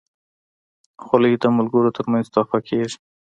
خولۍ د ملګرو ترمنځ تحفه کېږي.